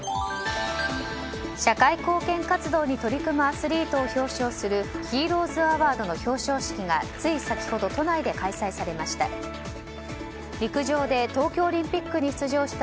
社会貢献活動に取り組むアスリートを表彰するＨＥＲＯｓＡＷＡＲＤの表彰式がつい先ほど都内で開催されました。